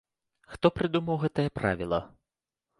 Хто прыдумаў гэтае правіла?